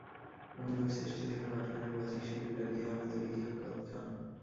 রবীন্দ্র সৃষ্টি থেকে পাঠ করেন বাচিকশিল্পী ডালিয়া আহমেদ ও লিয়াকত খান।